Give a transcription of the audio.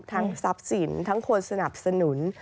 ทรัพย์สินทั้งคนสนับสนุน